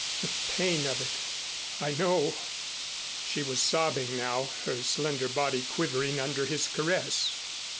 "The pain of it I know." She was sobbing now, her slender body quivering under his caress.